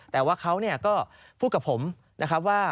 แต่ว่าเขาก็พูดกับผมนะครับว่า